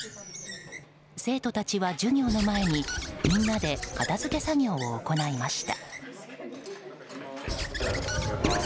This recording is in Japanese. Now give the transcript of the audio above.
生徒たちは授業の前にみんなで片付け作業を行いました。